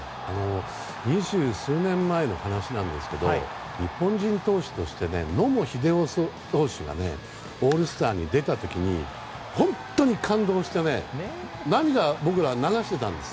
二十数年前の話なんですが日本人投手として野茂英雄投手がオールスターに出た時に本当に感動して僕ら、涙を流してたんです。